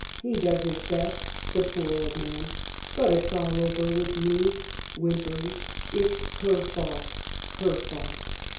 He does his best — the poor old man !— but it's all over with me' " (whimpering) "' it's her fault, her fault.'